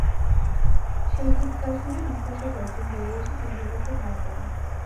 সেই চিৎকার শুনে আশপাশের লোকজন বেরিয়ে এসে তিন যুবককে ধাওয়া করেন।